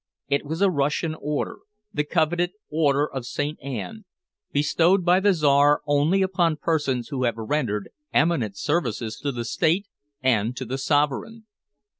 It was a Russian order the coveted Order of Saint Anne, bestowed by the Czar only upon persons who have rendered eminent services to the State and to the sovereign.